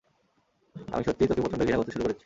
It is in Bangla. আমি সত্যিই তোকে প্রচন্ড ঘৃনা করতে শুরু করেছি।